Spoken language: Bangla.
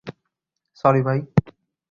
সরি, ভাই।